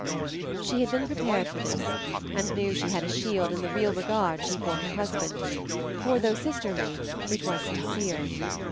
She had been prepared for this, and knew she had a shield in the real regard she bore her husband, for though sisterly, it was sincere.